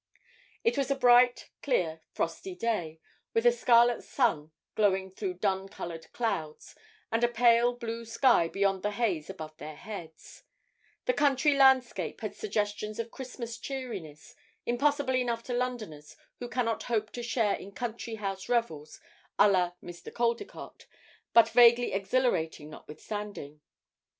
It was a bright clear frosty day, with a scarlet sun glowing through dun coloured clouds, and a pale blue sky beyond the haze above their heads; the country landscape had suggestions of Christmas cheeriness, impossible enough to Londoners who cannot hope to share in country house revels à la Mr. Caldecott, but vaguely exhilarating notwithstanding.